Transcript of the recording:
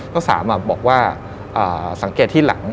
เจ้าสามบอกว่าสังเกตที่หลัง